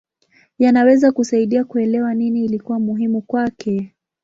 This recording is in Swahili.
Yanaweza kusaidia kuelewa nini ilikuwa muhimu kwake.